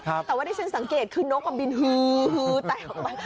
แต่ว่าที่ฉันสังเกตคือนกกับบินฮือแตกออกไป